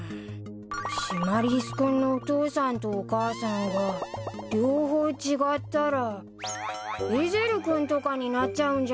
シマリス君のお父さんとお母さんが両方違ったらエゼル君とかになっちゃうんじゃないかなぁ。